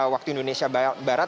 waktu indonesia barat